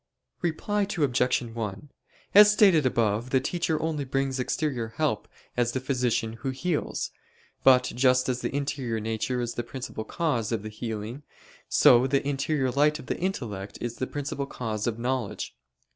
Reply Obj. 1: As stated above, the teacher only brings exterior help as the physician who heals: but just as the interior nature is the principal cause of the healing, so the interior light of the intellect is the principal cause of knowledge.